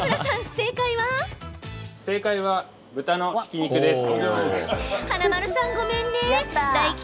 正解は、豚のひき肉です。